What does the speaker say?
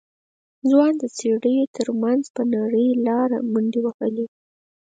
ځوان د څېړيو تر منځ په نرۍ لاره منډې وهلې.